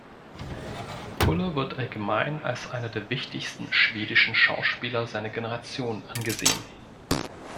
Kulle wird allgemein als einer der wichtigsten schwedischen Schauspieler seiner Generation angesehen.